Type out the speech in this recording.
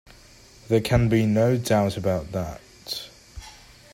There can be no doubt about that.